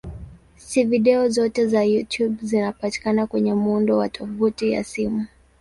Si video zote za YouTube zinazopatikana kwenye muundo wa tovuti ya simu.